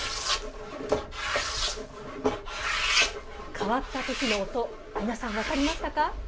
変わった時の音皆さん分かりましたか？